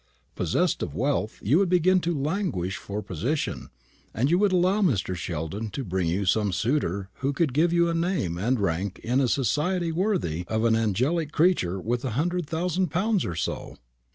Possessed of wealth, you would begin to languish for position; and you would allow Mr. Sheldon to bring you some suitor who could give you a name and a rank in society worthy of an angelic creature with a hundred thousand pounds or so."